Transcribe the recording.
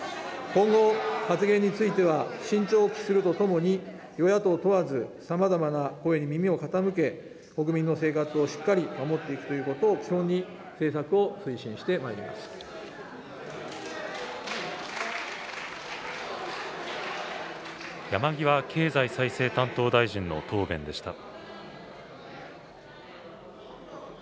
今後、発言については、慎重を期するとともに、与野党問わず、さまざまな声に耳を傾け、国民の生活をしっかり守っていくということを基本に政策を推進してまいり山際経済再生担当大臣の答弁でした。